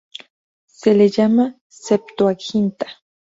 Se la llama "Septuaginta.